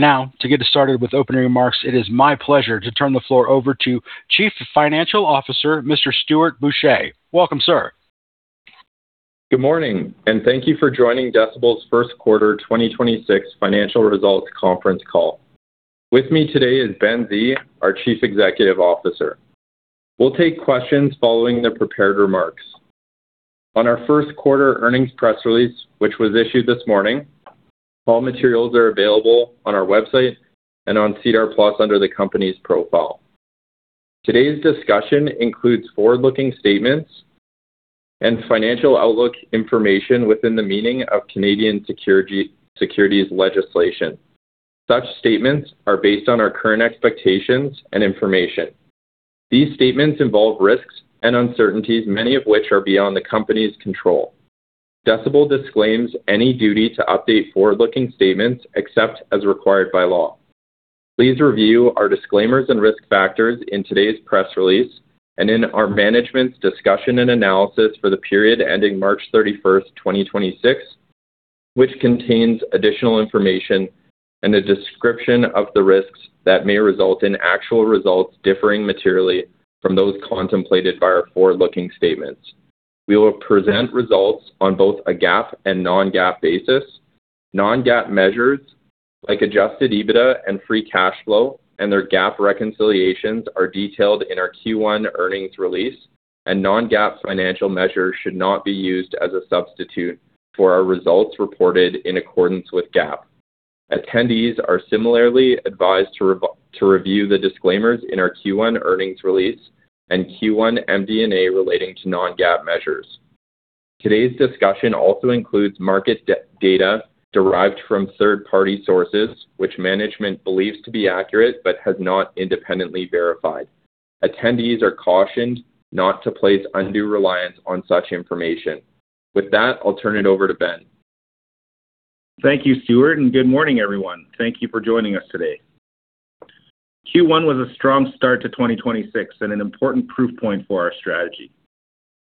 Now to get us started with opening remarks, it is my pleasure to turn the floor over to Chief Financial Officer, Mr. Stuart Boucher. Welcome, sir. Good morning, thank you for joining Decibel's first quarter 2026 financial results conference call. With me today is Ben Sze, our Chief Executive Officer. We'll take questions following the prepared remarks. On our first quarter earnings press release, which was issued this morning, all materials are available on our website and on SEDAR+ under the company's profile. Today's discussion includes forward-looking statements and financial outlook information within the meaning of Canadian securities legislation. Such statements are based on our current expectations and information. These statements involve risks and uncertainties, many of which are beyond the company's control. Decibel disclaims any duty to update forward-looking statements except as required by law. Please review our disclaimers and risk factors in today's press release and in our management's discussion and analysis for the period ending March 31st, 2026, which contains additional information and a description of the risks that may result in actual results differing materially from those contemplated by our forward-looking statements. We will present results on both a GAAP and non-GAAP basis. Non-GAAP measures like adjusted EBITDA and free cash flow and their GAAP reconciliations are detailed in our Q1 earnings release. Non-GAAP financial measures should not be used as a substitute for our results reported in accordance with GAAP. Attendees are similarly advised to review the disclaimers in our Q1 earnings release and Q1 MD&A relating to non-GAAP measures. Today's discussion also includes market data derived from third-party sources, which management believes to be accurate but has not independently verified. Attendees are cautioned not to place undue reliance on such information. With that, I'll turn it over to Ben. Thank you, Stuart. Good morning, everyone. Thank you for joining us today. Q1 was a strong start to 2026 and an important proof point for our strategy.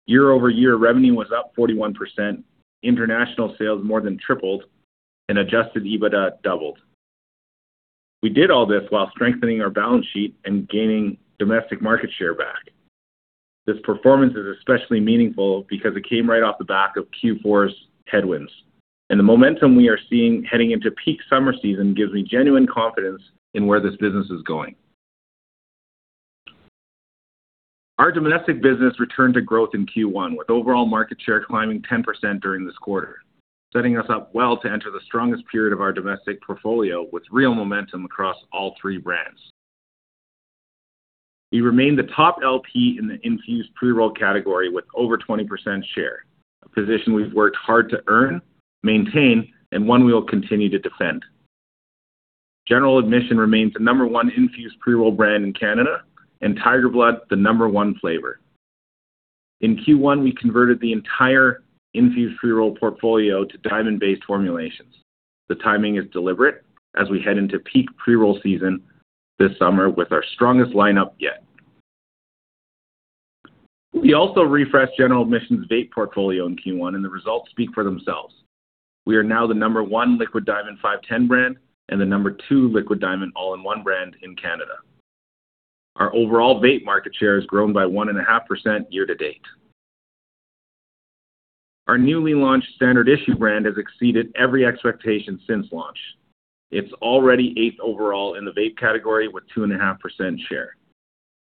Year-over-year revenue was up 41%, international sales more than tripled, and adjusted EBITDA doubled. We did all this while strengthening our balance sheet and gaining domestic market share back. This performance is especially meaningful because it came right off the back of Q4's headwinds, and the momentum we are seeing heading into peak summer season gives me genuine confidence in where this business is going. Our domestic business returned to growth in Q1 with overall market share climbing 10% during this quarter, setting us up well to enter the strongest period of our domestic portfolio with real momentum across all three brands. We remain the top LP in the infused pre-roll category with over 20% share, a position we've worked hard to earn, maintain, and one we will continue to defend. General Admission remains the number one infused pre-roll brand in Canada. Tiger Blood the number one flavor. In Q1, we converted the entire infused pre-roll portfolio to diamond-based formulations. The timing is deliberate as we head into peak pre-roll season this summer with our strongest lineup yet. We also refreshed General Admission's vape portfolio in Q1. The results speak for themselves. We are now the number 1 liquid diamonds 510-thread brand and the number two liquid diamonds all-in-one brand in Canada. Our overall vape market share has grown by 1.5% year to date. Our newly launched Standard Issue brand has exceeded every expectation since launch. It's already eighth overall in the vape category with 2.5% share.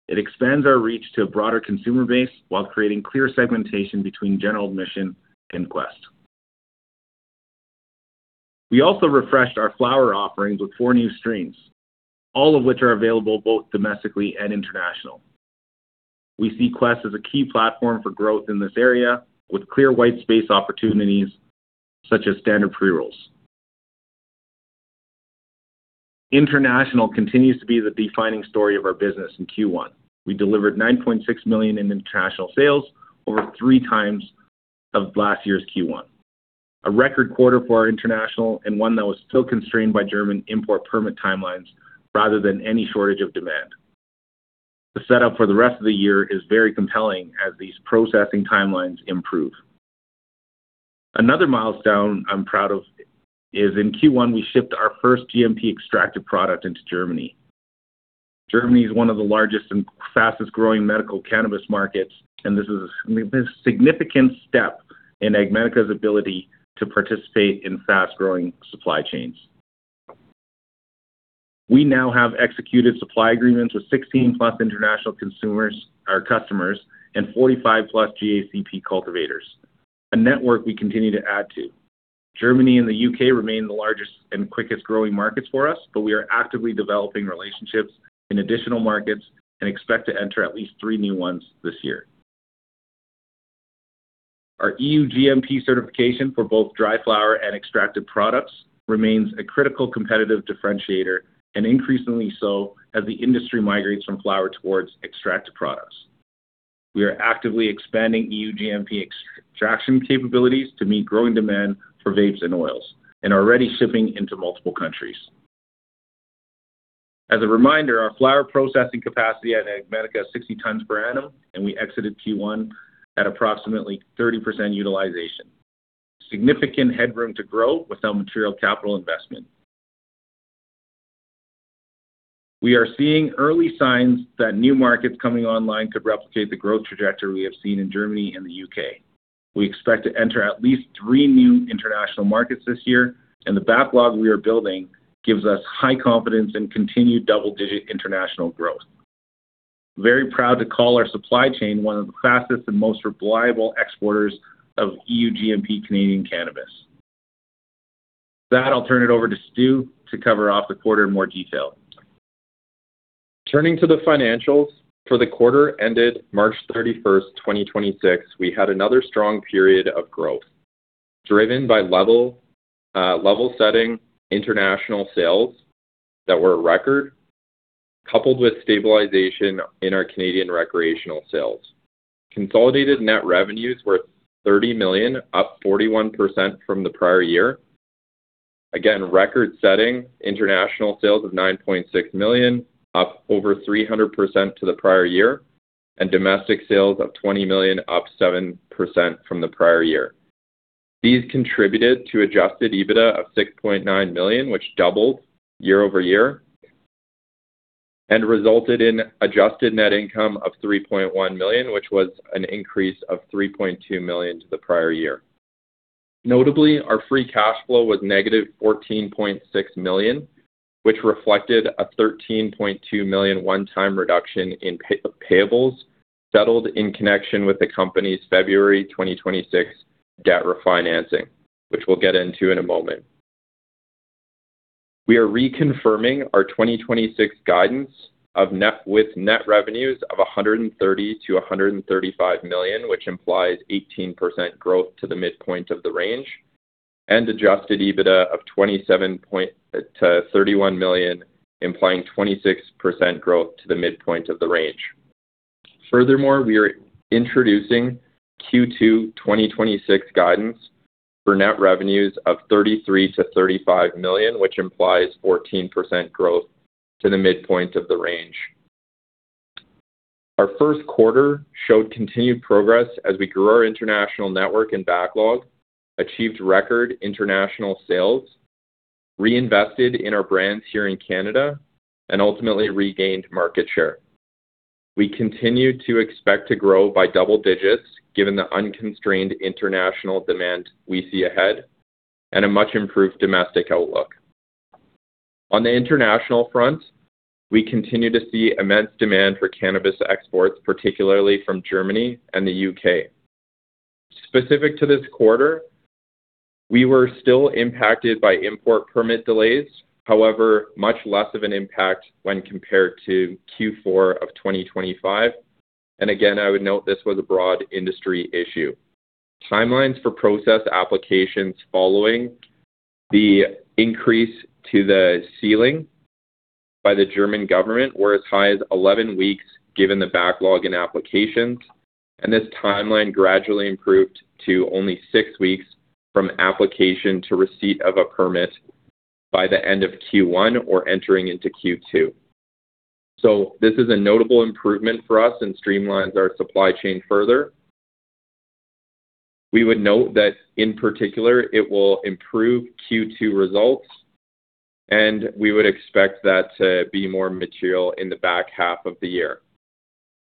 It expands our reach to a broader consumer base while creating clear segmentation between General Admission and Qwest. We also refreshed our flower offerings with four new strains, all of which are available both domestically and international. We see Qwest as a key platform for growth in this area, with clear white space opportunities such as standard pre-rolls. International continues to be the defining story of our business in Q1. We delivered 9.6 million in international sales, over three times of last year's Q1. A record quarter for our international, and one that was still constrained by German import permit timelines rather than any shortage of demand. The setup for the rest of the year is very compelling as these processing timelines improve. Another milestone I'm proud of is in Q1, we shipped our first GMP extracted product into Germany. Germany is one of the largest and fastest-growing medical cannabis markets, and this is a significant step in AgMedica's ability to participate in fast-growing supply chains. We now have executed supply agreements with 16+ international customers and 45+ GACP cultivators, a network we continue to add to. Germany and the U.K. remain the largest and quickest-growing markets for us, but we are actively developing relationships in additional markets and expect to enter at least three new ones this year. Our EU GMP certification for both dry flower and extracted products remains a critical competitive differentiator and increasingly so as the industry migrates from flower towards extracted products. We are actively expanding EU GMP extraction capabilities to meet growing demand for vapes and oils and are already shipping into multiple countries. As a reminder, our flower processing capacity at AgMedica is 60 tons per annum, and we exited Q1 at approximately 30% utilization. Significant headroom to grow without material capital investment. We are seeing early signs that new markets coming online could replicate the growth trajectory we have seen in Germany and the U.K. We expect to enter at least three new international markets this year, and the backlog we are building gives us high confidence in continued double-digit international growth. Very proud to call our supply chain one of the fastest and most reliable exporters of EU GMP Canadian cannabis. With that, I'll turn it over to Stu to cover off the quarter in more detail. Turning to the financials. For the quarter ended March 31st, 2026, we had another strong period of growth, driven by level setting international sales that were a record, coupled with stabilization in our Canadian recreational sales. Consolidated net revenues were 30 million, up 41% from the prior year. Again, record-setting international sales of 9.6 million, up over 300% to the prior year, and domestic sales of 20 million, up 7% from the prior year. These contributed to adjusted EBITDA of 6.9 million, which doubled year-over-year, and resulted in adjusted net income of 3.1 million, which was an increase of 3.2 million to the prior year. Notably, our free cash flow was negative 14.6 million, which reflected a 13.2 million one-time reduction in payables settled in connection with the company's February 2026 debt refinancing, which we'll get into in a moment. We are reconfirming our 2026 guidance with net revenues of 130 million-135 million, which implies 18% growth to the midpoint of the range, and adjusted EBITDA of 27 million-31 million, implying 26% growth to the midpoint of the range. We are introducing Q2 2026 guidance for net revenues of 33 million-35 million, which implies 14% growth to the midpoint of the range. Our first quarter showed continued progress as we grew our international network and backlog, achieved record international sales, reinvested in our brands here in Canada, and ultimately regained market share. We continue to expect to grow by double digits given the unconstrained international demand we see ahead and a much-improved domestic outlook. On the international front, we continue to see immense demand for cannabis exports, particularly from Germany and the U.K. Specific to this quarter, we were still impacted by import permit delays. However, much less of an impact when compared to Q4 of 2025. Again, I would note this was a broad industry issue. Timelines for process applications following the increase to the ceiling by the German government were as high as 11 weeks, given the backlog in applications, and this timeline gradually improved to only six weeks from application to receipt of a permit by the end of Q1 or entering into Q2. This is a notable improvement for us and streamlines our supply chain further. We would note that, in particular, it will improve Q2 results, and we would expect that to be more material in the back half of the year.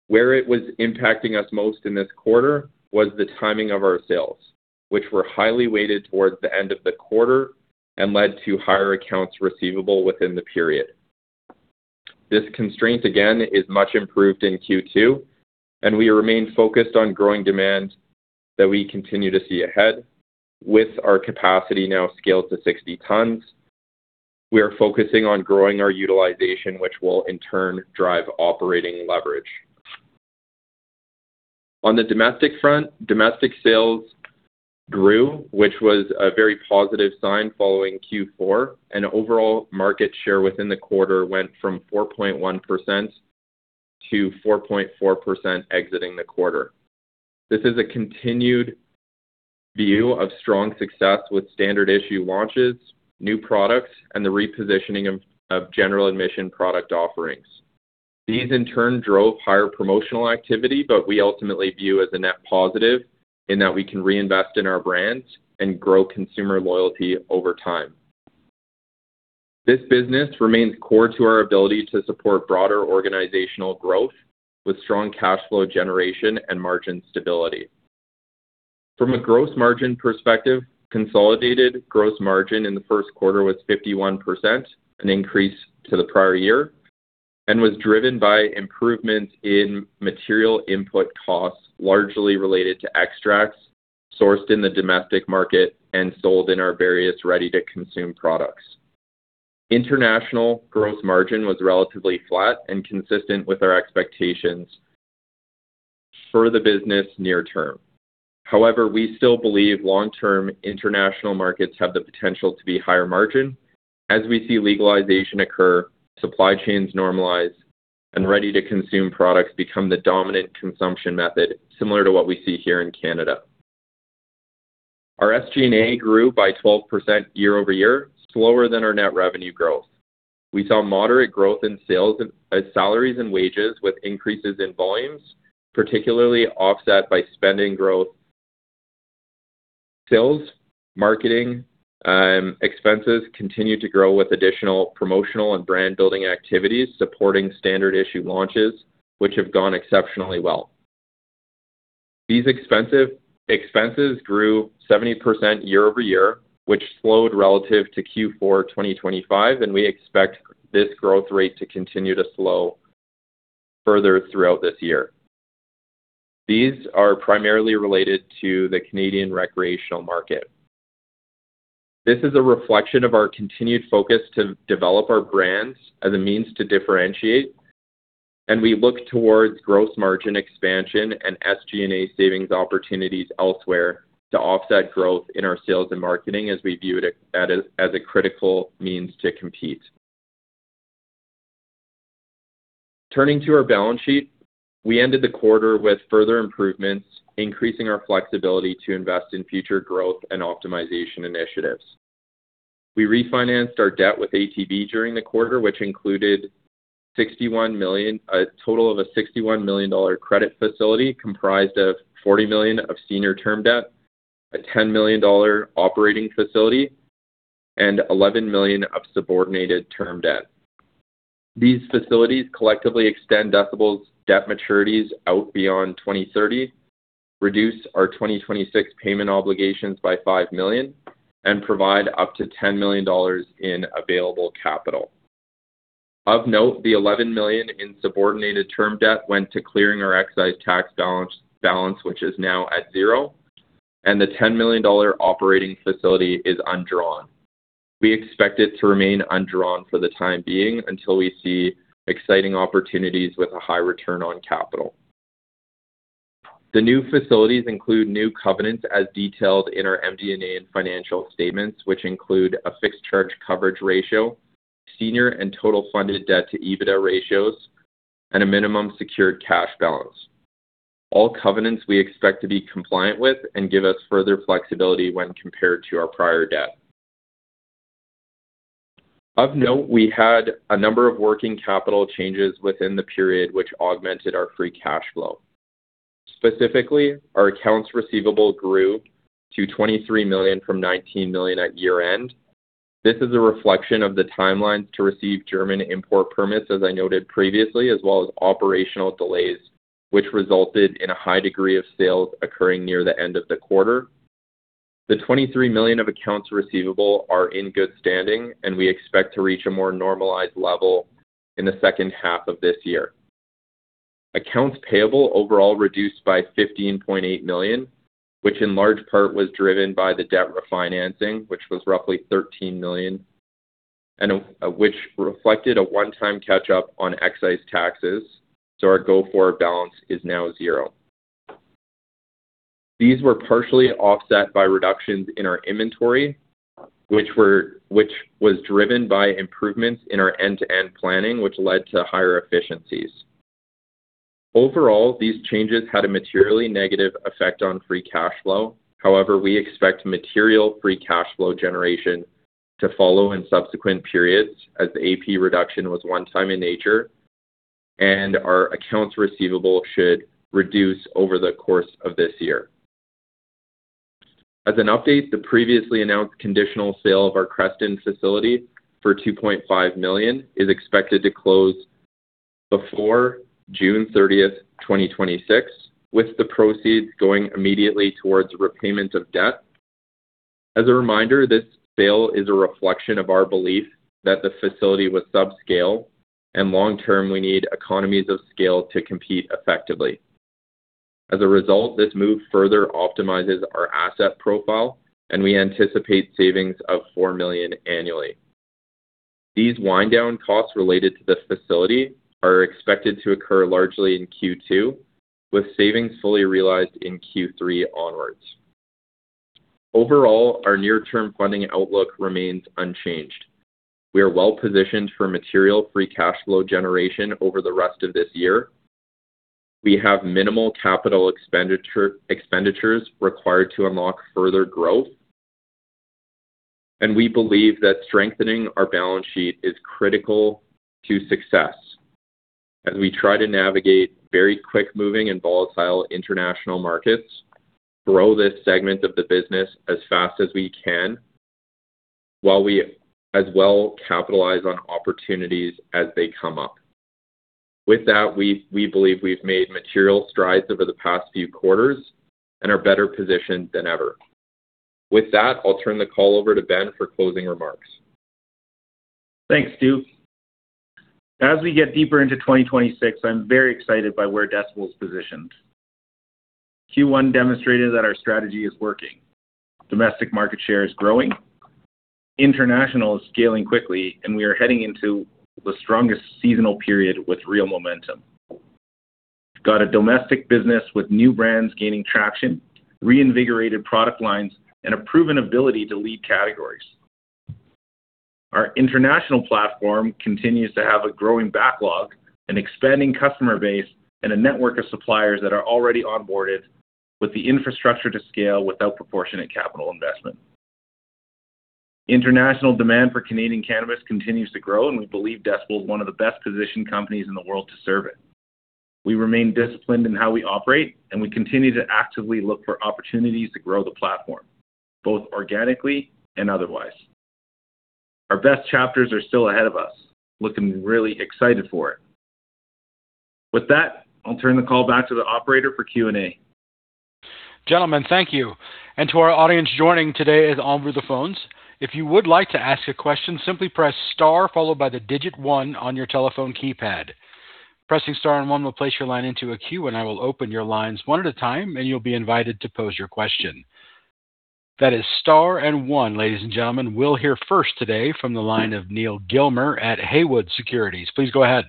Where it was impacting us most in this quarter was the timing of our sales, which were highly weighted towards the end of the quarter and led to higher accounts receivable within the period. This constraint again is much improved in Q2. We remain focused on growing demand that we continue to see ahead with our capacity now scaled to 60 tons. We are focusing on growing our utilization, which will, in turn, drive operating leverage. On the domestic front, domestic sales grew, which was a very positive sign following Q4, and overall market share within the quarter went from 4.1%-4.4% exiting the quarter. This is a continued view of strong success with Standard Issue launches, new products, and the repositioning of General Admission product offerings. These in turn drove higher promotional activity. We ultimately view as a net positive in that we can reinvest in our brands and grow consumer loyalty over time. This business remains core to our ability to support broader organizational growth with strong cash flow generation and margin stability. From a gross margin perspective, consolidated gross margin in the first quarter was 51%, an increase to the prior year, and was driven by improvements in material input costs, largely related to extracts sourced in the domestic market and sold in our various ready-to-consume products. International gross margin was relatively flat and consistent with our expectations for the business near term. We still believe long-term international markets have the potential to be higher margin as we see legalization occur, supply chains normalize, and ready-to-consume products become the dominant consumption method, similar to what we see here in Canada. Our SG&A grew by 12% year-over-year, slower than our net revenue growth. We saw moderate growth in salaries and wages with increases in volumes, particularly offset by spending growth. Sales, marketing expenses continue to grow with additional promotional and brand-building activities supporting Standard Issue launches, which have gone exceptionally well. These expenses grew 70% year over year, which slowed relative to Q4 2025, and we expect this growth rate to continue to slow further throughout this year. These are primarily related to the Canadian recreational market. This is a reflection of our continued focus to develop our brands as a means to differentiate, and we look towards gross margin expansion and SG&A savings opportunities elsewhere to offset growth in our sales and marketing as we view it as a critical means to compete. Turning to our balance sheet, we ended the quarter with further improvements, increasing our flexibility to invest in future growth and optimization initiatives. We refinanced our debt with ATB during the quarter, which included a total of a 61 million dollar credit facility comprised of 40 million of senior term debt, a 10 million dollar operating facility, and 11 million of subordinated term debt. These facilities collectively extend Decibel's debt maturities out beyond 2030, reduce our 2026 payment obligations by 5 million, and provide up to 10 million dollars in available capital. Of note, the 11 million in subordinated term debt went to clearing our excise tax balance, which is now at zero, and the 10 million dollar operating facility is undrawn. We expect it to remain undrawn for the time being until we see exciting opportunities with a high return on capital. The new facilities include new covenants as detailed in our MD&A and financial statements, which include a fixed charge coverage ratio, senior and total funded debt to EBITDA ratios, and a minimum secured cash balance. All covenants we expect to be compliant with and give us further flexibility when compared to our prior debt. Of note, we had a number of working capital changes within the period, which augmented our free cash flow. Specifically, our accounts receivable grew to 23 million from 19 million at year-end. This is a reflection of the timelines to receive German import permits, as I noted previously, as well as operational delays, which resulted in a high degree of sales occurring near the end of the quarter. The 23 million of accounts receivable are in good standing, and we expect to reach a more normalized level in the second half of this year. Accounts payable overall reduced by 15.8 million, which in large part was driven by the debt refinancing, which was roughly 13 million, and which reflected a one-time catch-up on excise taxes, so our go-forward balance is now zero. These were partially offset by reductions in our inventory, which was driven by improvements in our end-to-end planning, which led to higher efficiencies. Overall, these changes had a materially negative effect on free cash flow. We expect material free cash flow generation to follow in subsequent periods as the AP reduction was 1-time in nature, and our accounts receivable should reduce over the course of this year. The previously announced conditional sale of our Creston facility for 2.5 million is expected to close before June 30th, 2026, with the proceeds going immediately towards repayment of debt. This sale is a reflection of our belief that the facility was subscale and long-term, we need economies of scale to compete effectively. This move further optimizes our asset profile, and we anticipate savings of 4 million annually. These wind-down costs related to this facility are expected to occur largely in Q2, with savings fully realized in Q3 onwards. Our near-term funding outlook remains unchanged. We are well-positioned for material free cash flow generation over the rest of this year. We have minimal capital expenditures required to unlock further growth. We believe that strengthening our balance sheet is critical to success as we try to navigate very quick-moving and volatile international markets, grow this segment of the business as fast as we can, while we as well capitalize on opportunities as they come up. With that, we believe we've made material strides over the past few quarters and are better positioned than ever. With that, I'll turn the call over to Ben for closing remarks. Thanks, Stuart. As we get deeper into 2026, I'm very excited by where Decibel is positioned. Q1 demonstrated that our strategy is working. Domestic market share is growing. International is scaling quickly, we are heading into the strongest seasonal period with real momentum. Got a Domestic business with new brands gaining traction, reinvigorated product lines, and a proven ability to lead categories. Our International platform continues to have a growing backlog, an expanding customer base, and a network of suppliers that are already onboarded with the infrastructure to scale without proportionate capital investment. International demand for Canadian cannabis continues to grow, we believe Decibel is one of the best-positioned companies in the world to serve it. We remain disciplined in how we operate, we continue to actively look for opportunities to grow the platform, both organically and otherwise. Our best chapters are still ahead of us. Looking really excited for it. With that, I'll turn the call back to the operator for Q&A. Gentlemen, thank you. To our audience joining today on the phones, if you would like to ask a question, simply press star followed by the digit one on your telephone keypad. Pressing star and one will place your line into a queue, and I will open your lines one at a time, and you'll be invited to pose your question. That is star and one, ladies and gentlemen. We'll hear first today from the line of Neal Gilmer at Haywood Securities. Please go ahead.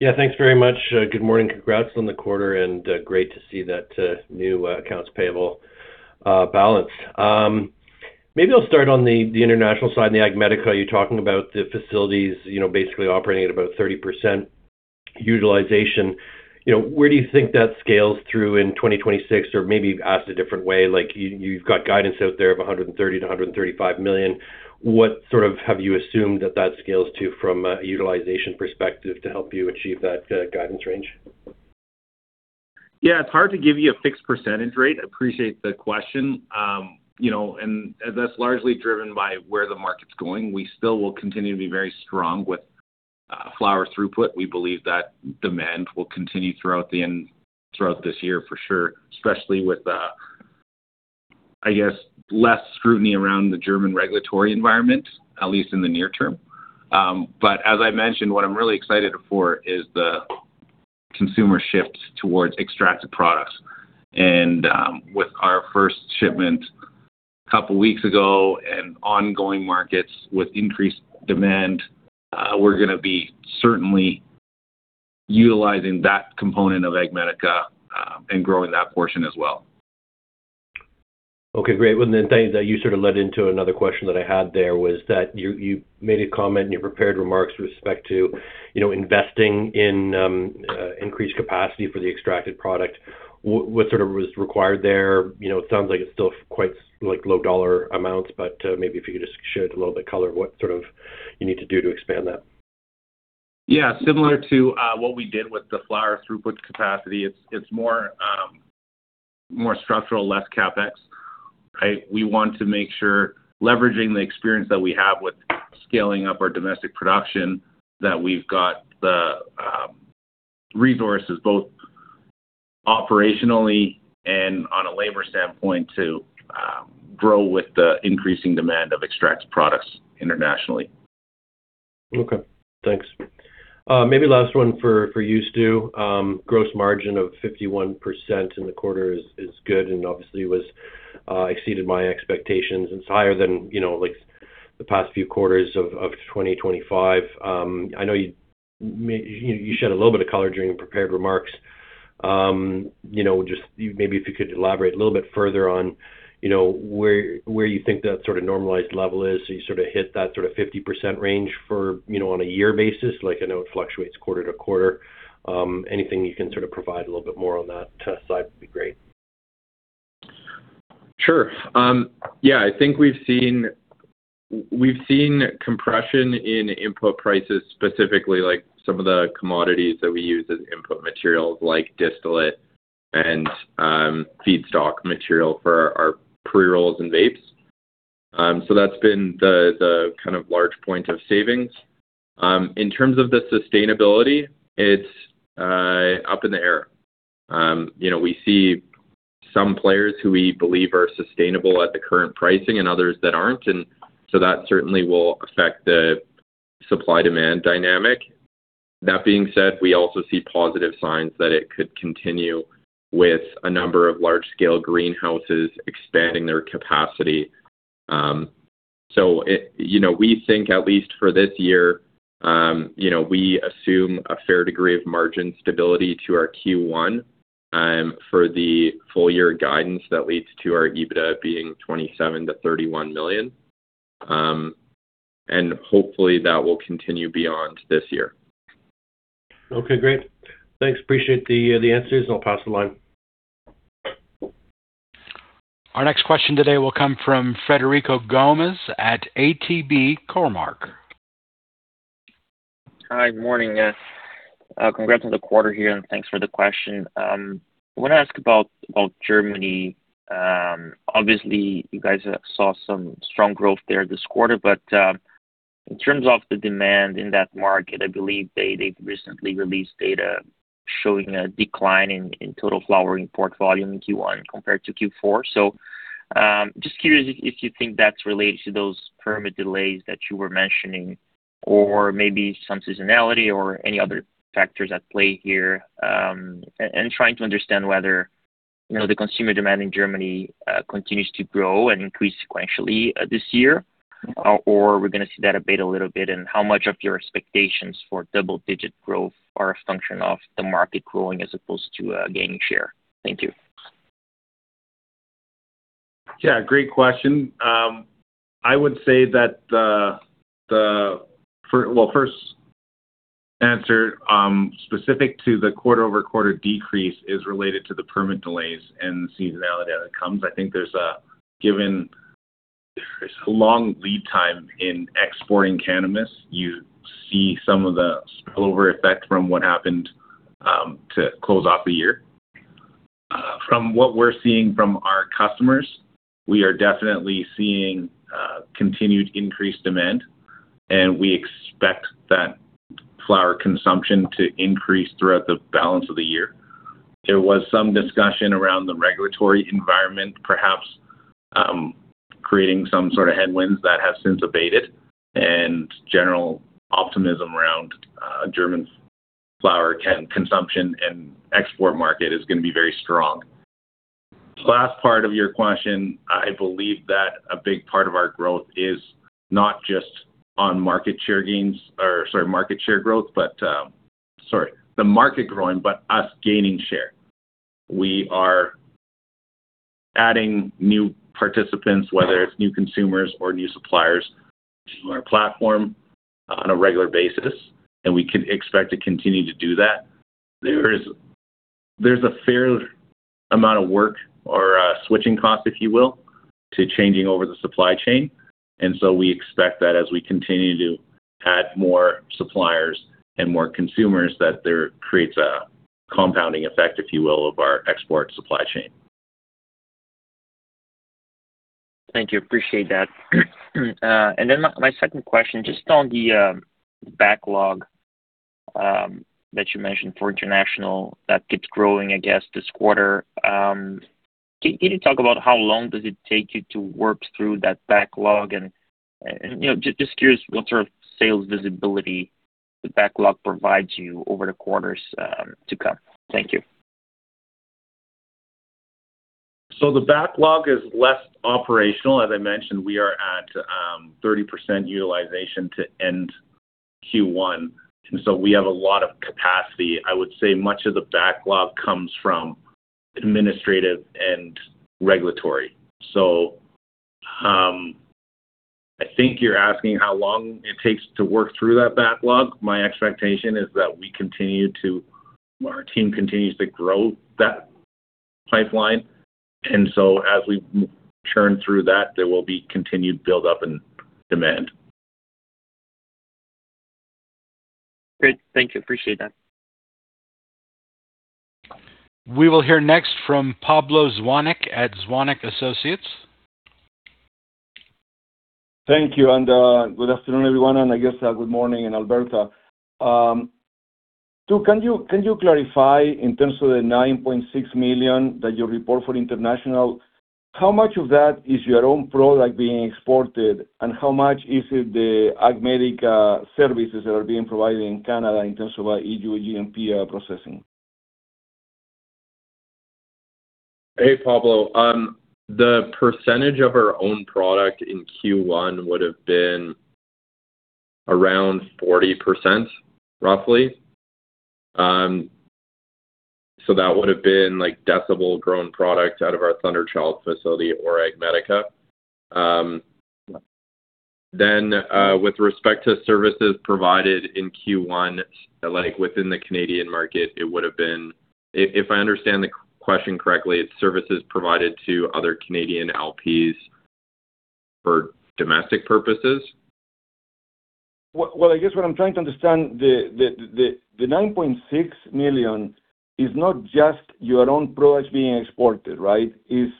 Yeah, thanks very much. Good morning. Congrats on the quarter and great to see that new accounts payable balance. Maybe I'll start on the international side and the AgMedica. You're talking about the facilities basically operating at about 30% utilization. Where do you think that scales through in 2026? Maybe asked a different way, you've got guidance out there of 130 million-135 million. What have you assumed that that scales to from a utilization perspective to help you achieve that guidance range? Yeah, it's hard to give you a fixed % rate. Appreciate the question. That's largely driven by where the market's going. We still will continue to be very strong with flower throughput. We believe that demand will continue throughout this year for sure, especially with, I guess, less scrutiny around the German regulatory environment, at least in the near term. As I mentioned, what I'm really excited for is the consumer shift towards extracted products. With our first shipment a couple of weeks ago and ongoing markets with increased demand, we're going to be certainly utilizing that component of AgMedica, and growing that portion as well. Okay, great. You sort of led into another question that I had there, was that you made a comment in your prepared remarks with respect to investing in increased capacity for the extracted product. What was required there? It sounds like it's still quite low dollar amounts, but maybe if you could just shed a little bit color what you need to do to expand that. Yeah. Similar to what we did with the flower throughput capacity, it's more structural, less CapEx, right? We want to make sure, leveraging the experience that we have with scaling up our domestic production, that we've got the resources, both operationally and on a labor standpoint, to grow with the increasing demand of extracts products internationally. Okay, thanks. Maybe last one for you, Stuart. Gross margin of 51% in the quarter is good and obviously exceeded my expectations. It's higher than the past few quarters of 20%-25%. I know you shed a little bit of color during your prepared remarks. Maybe if you could elaborate a little bit further on where you think that normalized level is. You hit that 50% range on a year basis. I know it fluctuates quarter to quarter. Anything you can provide a little bit more on that side would be great. Sure. Yeah, I think we've seen compression in input prices, specifically some of the commodities that we use as input materials, like distillate and feedstock material for our pre-rolls and vapes. That's been the large point of savings. In terms of the sustainability, it's up in the air. We see some players who we believe are sustainable at the current pricing and others that aren't, that certainly will affect the supply-demand dynamic. That being said, we also see positive signs that it could continue with a number of large-scale greenhouses expanding their capacity. We think, at least for this year, we assume a fair degree of margin stability to our Q1 for the full year guidance that leads to our EBITDA being 27 million-31 million. Hopefully, that will continue beyond this year. Okay, great. Thanks. Appreciate the answers, and I'll pass the line. Our next question today will come from Frederico Gomes at ATB Cormark. Hi. Good morning. Congrats on the quarter here, and thanks for the question. I want to ask about Germany. Obviously, you guys saw some strong growth there this quarter, but in terms of the demand in that market, I believe they've recently released data showing a decline in total flower import volume in Q1 compared to Q4. Just curious if you think that's related to those permit delays that you were mentioning, or maybe some seasonality, or any other factors at play here. Trying to understand whether the consumer demand in Germany continues to grow and increase sequentially this year, or we're going to see that abate a little bit, and how much of your expectations for double-digit growth are a function of the market growing as opposed to gaining share. Thank you. Yeah, great question. I would say that the first answer specific to the quarter-over-quarter decrease is related to the permit delays and the seasonality that comes. I think there's a long lead time in exporting cannabis. You see some of the spillover effect from what happened to close off the year. From what we're seeing from our customers, we are definitely seeing continued increased demand, and we expect that flower consumption to increase throughout the balance of the year. There was some discussion around the regulatory environment, perhaps creating some sort of headwinds that have since abated, and general optimism around German flower consumption and export market is going to be very strong. Last part of your question, I believe that a big part of our growth is not just on market share gains, or sorry, market share growth, but the market growing, but us gaining share. We are adding new participants, whether it's new consumers or new suppliers, to our platform on a regular basis, and we can expect to continue to do that. There's a fair amount of work or switching cost, if you will, to changing over the supply chain. We expect that as we continue to add more suppliers and more consumers, that there creates a compounding effect, if you will, of our export supply chain. Thank you. Appreciate that. My second question, just on the backlog that you mentioned for international that keeps growing, I guess, this quarter. Can you talk about how long does it take you to work through that backlog and just curious what sort of sales visibility the backlog provides you over the quarters to come. Thank you. The backlog is less operational. As I mentioned, we are at 30% utilization to end Q1, and so we have a lot of capacity. I would say much of the backlog comes from administrative and regulatory. I think you're asking how long it takes to work through that backlog. My expectation is that our team continues to grow that pipeline, and so as we churn through that, there will be continued build-up in demand. Great. Thank you. Appreciate that. We will hear next from Pablo Zuanic at Zuanic & Associates. Thank you. Good afternoon, everyone. I guess good morning in Alberta. Stu, can you clarify in terms of the 9.6 million that you report for international, how much of that is your own product being exported, and how much is it the AgMedica services that are being provided in Canada in terms of EU GMP processing? Hey, Pablo. The percentage of our own product in Q1 would've been around 40%, roughly. That would have been Decibel-grown product out of our Thunderchild facility or AgMedica. With respect to services provided in Q1, within the Canadian market, it would have been, if I understand the question correctly, it's services provided to other Canadian LPs for domestic purposes. I guess what I'm trying to understand, the 9.6 million is not just your own products being exported, right? Correct.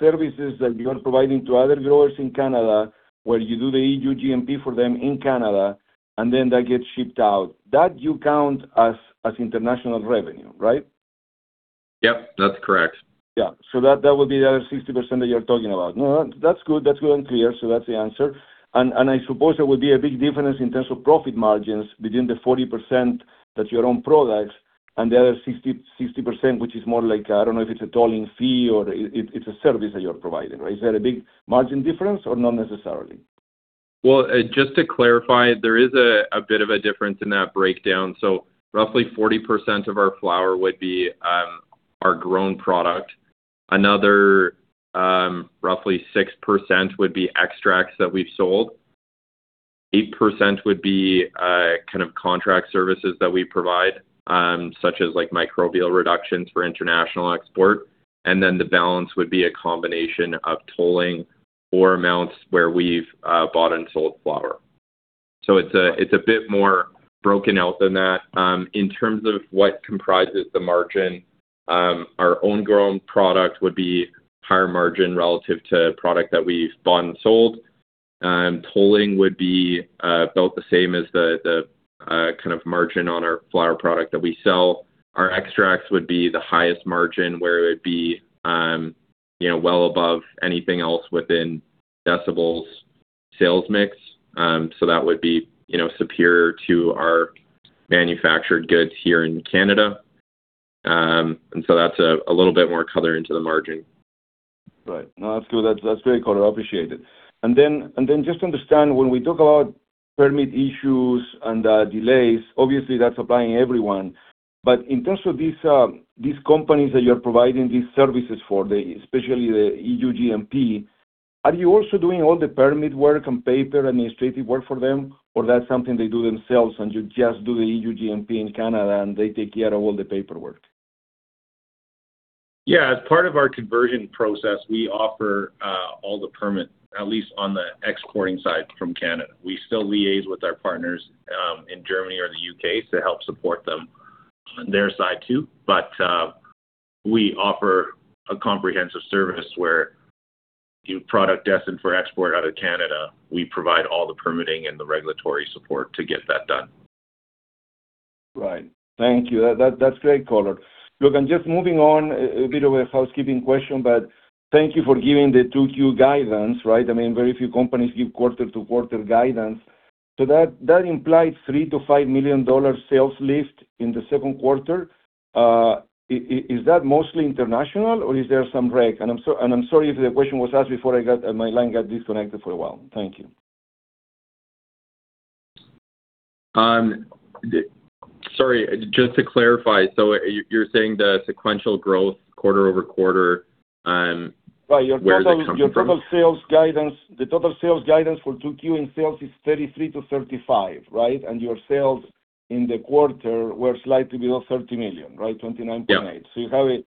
It's services that you're providing to other growers in Canada, where you do the EU GMP for them in Canada, and then that gets shipped out. That you count as international revenue, right? Yep, that's correct. Yeah. That would be the other 60% that you're talking about. No, that's good. That's good and clear. That's the answer. I suppose there will be a big difference in terms of profit margins between the 40% that's your own products and the other 60%, which is more like, I don't know if it's a tolling fee, or it's a service that you're providing, right? Is there a big margin difference or not necessarily? Just to clarify, there is a bit of a difference in that breakdown. Roughly 40% of our flower would be our grown product. Another roughly 6% would be extracts that we've sold. 8% would be kind of contract services that we provide, such as microbial reductions for international export. The balance would be a combination of tolling or amounts where we've bought and sold flower. It's a bit more broken out than that. In terms of what comprises the margin, our own grown product would be higher margin relative to product that we've bought and sold. Tolling would be about the same as the kind of margin on our flower product that we sell. Our extracts would be the highest margin, where it would be well above anything else within Decibel's sales mix. That would be superior to our manufactured goods here in Canada. That's a little bit more color into the margin. Right. No, that's good. That's great color. I appreciate it. Just understand, when we talk about permit issues and delays, obviously that's applying everyone. In terms of these companies that you're providing these services for, especially the EU GMP, are you also doing all the permit work and paper administrative work for them, or that's something they do themselves and you just do the EU GMP in Canada, and they take care of all the paperwork? Yeah. As part of our conversion process, we offer all the permit, at least on the exporting side from Canada. We still liaise with our partners in Germany or the U.K. to help support them on their side too. We offer a comprehensive service where product destined for export out of Canada, we provide all the permitting and the regulatory support to get that done. Right. Thank you. That's great color. Look, I'm just moving on, a bit of a housekeeping question, but thank you for giving the 2Q guidance. I mean, very few companies give quarter-to-quarter guidance. That implied 3 million-5 million dollars sales lift in the second quarter. Is that mostly international, or is there some rec? I'm sorry if the question was asked before my line got disconnected for a while. Thank you. Sorry. Just to clarify, you're saying the sequential growth quarter-over-quarter, where is it coming from? Right. Your total sales guidance for 2Q in sales is 33 million-35 million, right? Your sales in the quarter were slightly below 30 million, right? 29.8 million. Yeah. You have a 3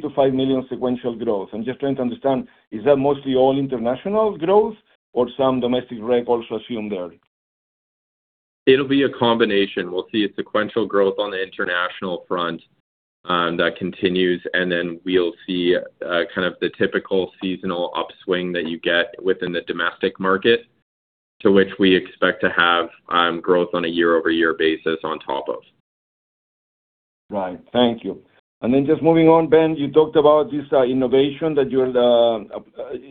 million-5 million sequential growth. I'm just trying to understand, is that mostly all international growth or some domestic rec also assumed there? It'll be a combination. We'll see a sequential growth on the international front that continues, and then we'll see kind of the typical seasonal upswing that you get within the domestic market, to which we expect to have growth on a year-over-year basis on top of. Right. Thank you. Then just moving on, Ben, you talked about this innovation that you're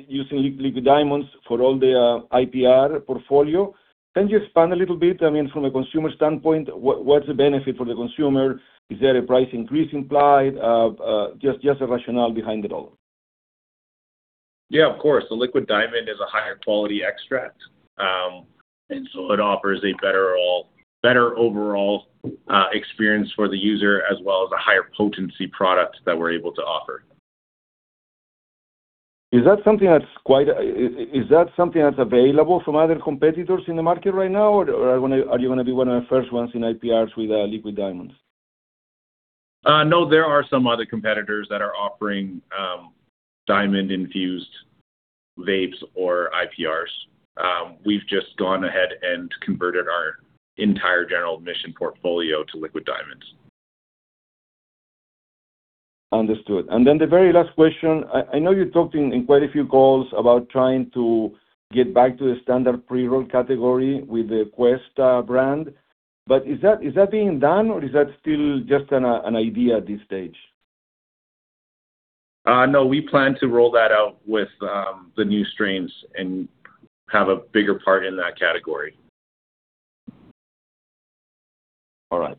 using liquid diamonds for all the IPR portfolio. Can you expand a little bit? I mean, from a consumer standpoint, what's the benefit for the consumer? Is there a price increase implied? Just a rationale behind it all. Yeah, of course. The liquid diamonds is a higher quality extract. It offers a better overall experience for the user, as well as a higher potency product that we're able to offer. Is that something that's available from other competitors in the market right now, or are you going to be one of the first ones in IPRs with liquid diamonds? No, there are some other competitors that are offering diamond-infused vapes or IPRs. We've just gone ahead and converted our entire General Admission portfolio to liquid diamonds. Understood. The very last question, I know you talked in quite a few calls about trying to get back to the standard pre-roll category with the Qwest brand, but is that being done, or is that still just an idea at this stage? No. We plan to roll that out with the new strains and have a bigger part in that category. All right.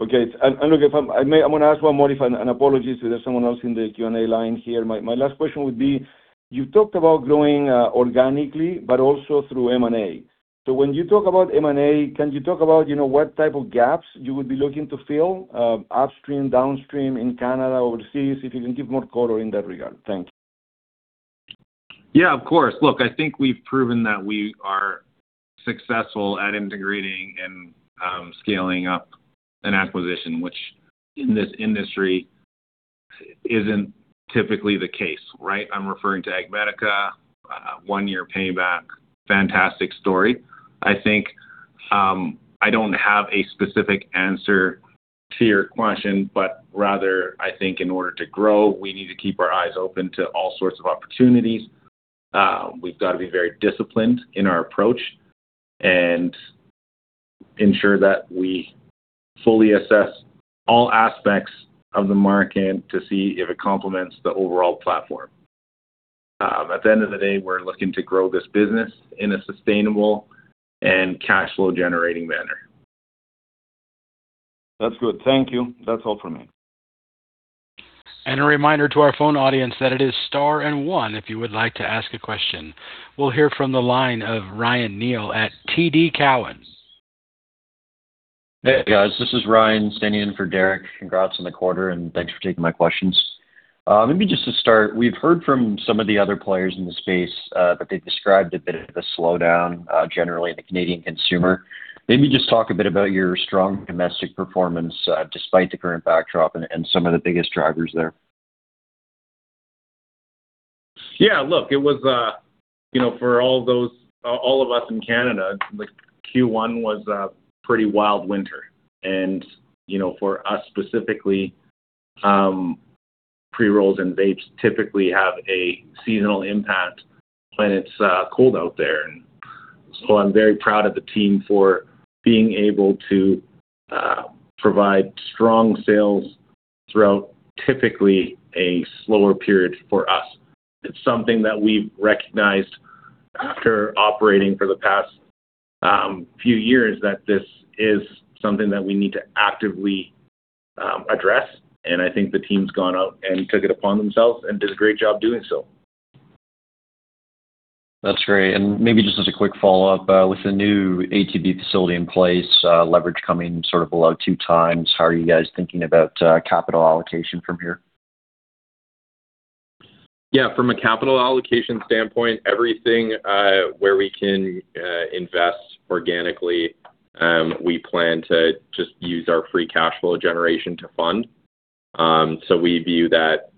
Okay. Look, if I may, I'm going to ask one more and apologies if there's someone else in the Q&A line here. My last question would be, you talked about growing organically but also through M&A. When you talk about M&A, can you talk about what type of gaps you would be looking to fill upstream, downstream, in Canada, overseas? If you can give more color in that regard. Thank you. Yeah, of course. Look, I think we've proven that we are successful at integrating and scaling up an acquisition, which in this industry isn't typically the case, right? I'm referring to AgMedica, a one-year payback. Fantastic story. I think I don't have a specific answer to your question, but rather, I think in order to grow, we need to keep our eyes open to all sorts of opportunities. We've got to be very disciplined in our approach and ensure that we fully assess all aspects of the market to see if it complements the overall platform. At the end of the day, we're looking to grow this business in a sustainable and cash flow-generating manner. That's good. Thank you. That's all for me. A reminder to our phone audience that it is star and one if you would like to ask a question. We'll hear from the line of Ryan Neal at TD Cowen. Hey, guys, this is Ryan standing in for Derek. Congrats on the quarter, and thanks for taking my questions. Maybe just to start, we've heard from some of the other players in the space, that they've described a bit of a slowdown generally in the Canadian consumer. Maybe just talk a bit about your strong domestic performance despite the current backdrop and some of the biggest drivers there. Yeah, look, for all of us in Canada, Q1 was a pretty wild winter. For us specifically, pre-rolls and vapes typically have a seasonal impact when it's cold out there. I'm very proud of the team for being able to provide strong sales throughout, typically, a slower period for us. It's something that we've recognized after operating for the past few years, that this is something that we need to actively address, and I think the team's gone out and took it upon themselves and did a great job doing so. That's great. Maybe just as a quick follow-up, with the new ATB facility in place, leverage coming sort of below 2x, how are you guys thinking about capital allocation from here? From a capital allocation standpoint, everything where we can invest organically, we plan to just use our free cash flow generation to fund. We view that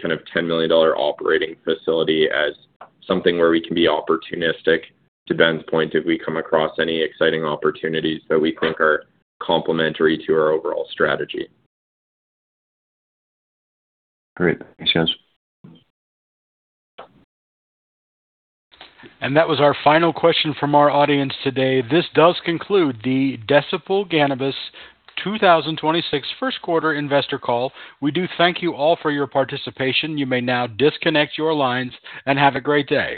kind of 10 million dollar operating facility as something where we can be opportunistic, to Ben's point, if we come across any exciting opportunities that we think are complementary to our overall strategy. Great. Thanks, guys. That was our final question from our audience today. This does conclude the Decibel Cannabis 2026 first quarter investor call. We do thank you all for your participation. You may now disconnect your lines, and have a great day.